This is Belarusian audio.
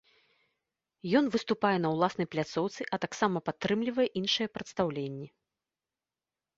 Ён выступае на ўласнай пляцоўцы, а таксама падтрымлівае іншыя прадстаўленні.